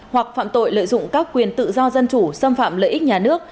hoặc phạm tội lợi dụng các quyền tự do dân chủ xâm phạm lợi ích nhà nước